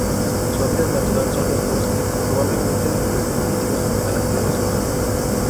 Su hábitat natural son los bosques, probablemente restringidos a las tierras bajas.